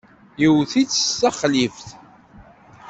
Yewwet-itt s texlift.